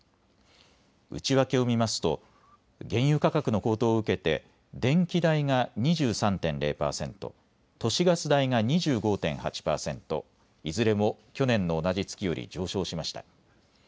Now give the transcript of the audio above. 内訳を見ますと原油価格の高騰を受けて電気代が２３．０％、都市ガス代が２５．８％いずれも去年の同じ月より上昇しました。